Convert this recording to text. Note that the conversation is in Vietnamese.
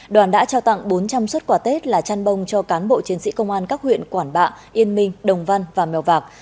đoàn đã trao tặng bốn trăm linh xuất quà tết là chăn bông cho cán bộ chiến sĩ công an các huyện quản bạ yên minh đồng văn và mèo vạc